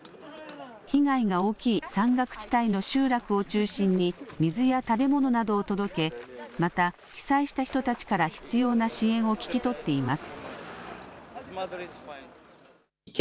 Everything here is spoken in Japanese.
被害が大きい山岳地帯の集落を中心に水や食べ物などを届けまた被災した人たちから必要な支援を聞き取っています。